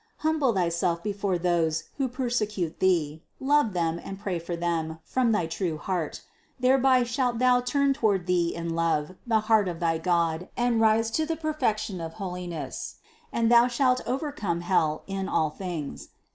Humble thyself before those who persecute thee, love them and pray for them from thy true heart ; thereby shalt thou turn toward thee in love the heart of thy God and rise to the perfection of holiness, and thou shalt overcome hell in all things.